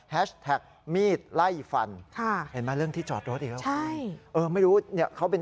แฮชแท็กมีดไล่ฟัน